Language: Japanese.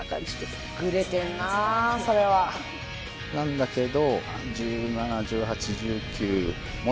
なんだけど。